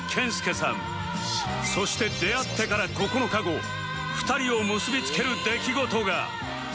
そして出会ってから９日後２人を結びつける出来事が